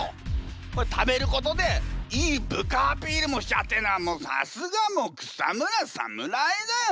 これ食べることでいい部下アピールもしちゃってんだからもうさすがもう草村サムライだよ！